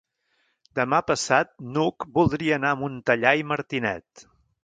Demà passat n'Hug voldria anar a Montellà i Martinet.